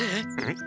ん？